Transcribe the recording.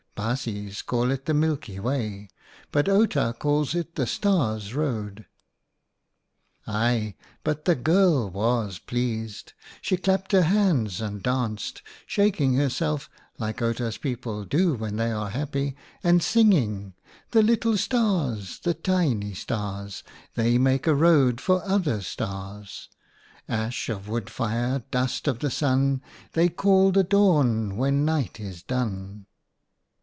Baasjes call it the Milky Way, but Outa calls it the Stars' Road. "Ai! but the girl was pleased! She clapped her hands and danced, shaking herself like Outa's people do when they are happy, and singing :—' The little stars ! The tiny stars ! They make a road for other stars. Ash of wood fire ! Dust of the Sun ! They call the Dawn when Night is done